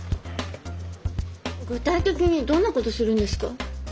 具体的にどんなことするんですか？